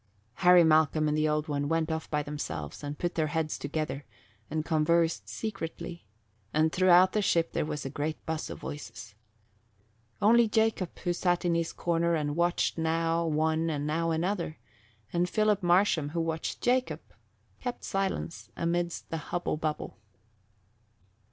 Harry Malcolm and the Old One went off by themselves and put their heads together and conversed secretly, and throughout the ship there was a great buzz of voices. Only Jacob, who sat in his corner and watched now one and now another, and Philip Marsham, who watched Jacob, kept silence amidst the hubble bubble.